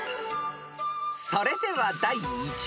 ［それでは第１問］